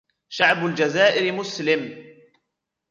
شعب الجزائر مسلم